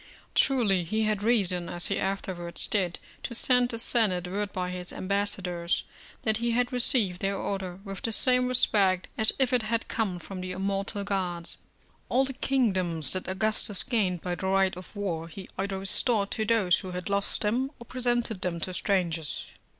Truly he had reason, as he afterwards did, to send the Senate word by his ambassadors, that he had received their order with the same respect as if it had come from the immortal gods. All the kingdoms that Augustus gained by the right of war, he either restored to those who had lost them or presented them to strangers.